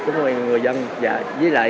của người dân với lại